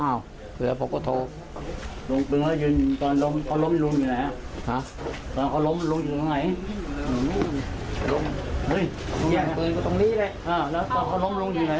นี่แล้วตอนเขาล้มลงอยู่ไหน